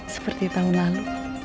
seperti tahun lalu